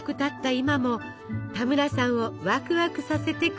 今も田村さんをワクワクさせてくれます。